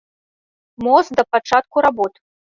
Мост да пачатку работ.